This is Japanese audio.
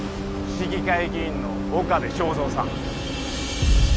市議会議員の岡部正三さん